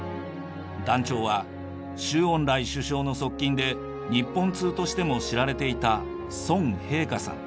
団長は周恩来首相の側近で日本通としても知られていた孫平化さん。